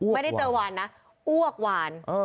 ไม่ได้เจอวานนะอ้วกวาน